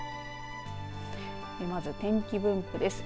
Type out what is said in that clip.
まず天気分布です。